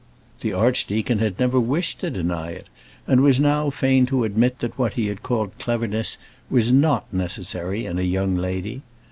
The archdeacon had never wished to deny it, and was now fain to admit that what he had called cleverness was not necessary in a young lady.